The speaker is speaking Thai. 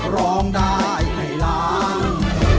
ร้องได้ให้ล้าน